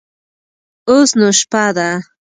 اوس نو شپه ده.